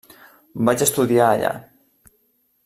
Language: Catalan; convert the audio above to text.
Vaig estudiar allà.